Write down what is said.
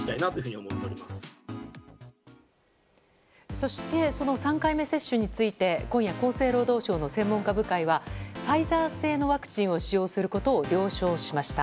そしてその３回目接種について今夜、厚生労働省の専門家部会はファイザー製のワクチンを使用することを了承しました。